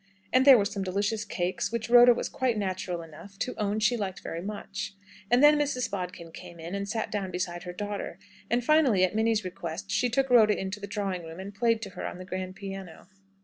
And there were some delicious cakes, which Rhoda was quite natural enough to own she liked very much. And then Mrs. Bodkin came in, and sat down beside her daughter; and finally, at Minnie's request, she took Rhoda into the drawing room, and played to her on the grand piano.